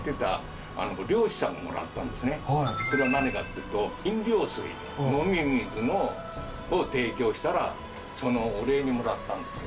それは何かっていうと飲料水飲み水を提供したらそのお礼にもらったんですよ。